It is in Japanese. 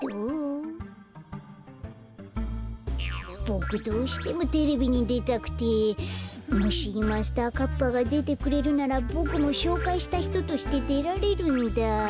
ボクどうしてもテレビにでたくて。もしマスターカッパがでてくれるならボクもしょうかいしたひととしてでられるんだ。